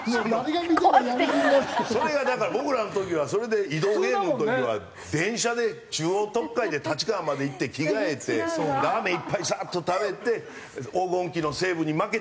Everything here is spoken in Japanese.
それがだから僕らの時はそれで移動ゲームの時は電車で中央特快で立川まで行って着替えてラーメン１杯サーッと食べて。